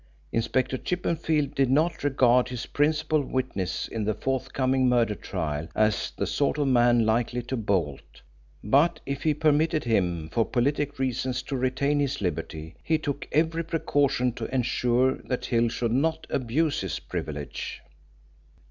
Inspector Chippenfield did not regard his principal witness in the forthcoming murder trial as the sort of man likely to bolt, but if he permitted him for politic reasons to retain his liberty, he took every precaution to ensure that Hill should not abuse his privilege.